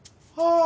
ああ。